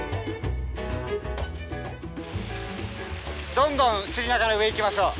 どんどん釣りながら上行きましょう。